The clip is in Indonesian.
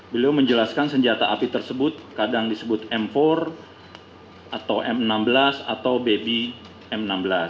beliau menjelaskan senjata api tersebut kadang disebut m empat atau m enam belas atau baby m enam belas